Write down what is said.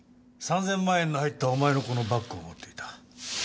３千万円の入ったお前のこのバッグを持っていた。